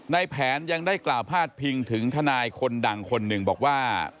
ในแผนยังได้กล่าวพาดพิงถึงทนายคนดังคนหนึ่งบอกว่า